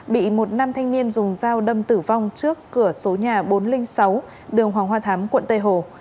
bị một nam thanh niên dùng dao đâm tử vong trước cửa số nhà bốn trăm linh sáu đường hoàng hoa thám quận tây hồ